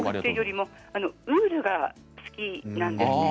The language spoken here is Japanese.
ウールが好きなんですね。